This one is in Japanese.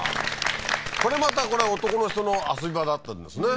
これまたこれは男の人の遊び場だったんですね